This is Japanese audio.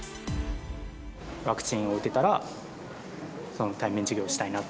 ワクチンを打てたら、対面授業をしたいなって。